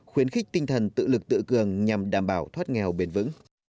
khuyến khích tinh thần tự lực tự cường nhằm đảm bảo thoát nghèo bền vững